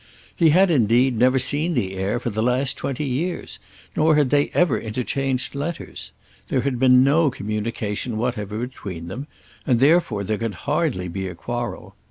He had, indeed, never seen the heir for the last twenty years, nor had they ever interchanged letters. There had been no communication whatever between them, and therefore there could hardly be a quarrel.